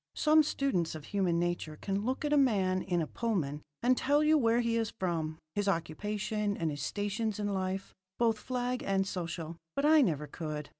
Some students of human nature can look at a man in a Pullman and tell you where he is from, his occupation and his stations in life, both flag and social; but I never could.